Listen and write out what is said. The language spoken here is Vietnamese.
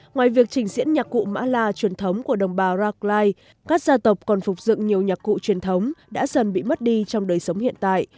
ngoài việc trình diễn nhạc cụ mã la truyền thống của đồng bào rackline các gia tộc còn phục dựng nhiều nhạc cụ truyền thống đã dần bị mất đi trong đời sống hiện tại